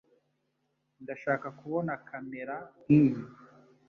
Ndashaka kubona kamera nkiyi.